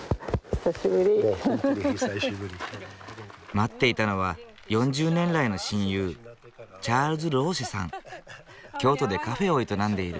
待っていたのは４０年来の親友京都でカフェを営んでいる。